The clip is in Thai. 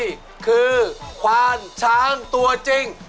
นี่คือควานช้างตัวจริง